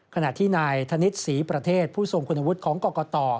ขณะที่นายธนิษฐ์ศรีประเทศผู้ทรงคุณวุฒิของกรกต